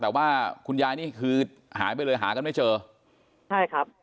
แต่ว่าคุณยายนี่คือหายไปเลยหากันไม่เจอใช่ครับ